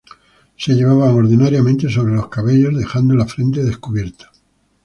Se llevaban ordinariamente sobre los cabellos dejando la frente descubierta.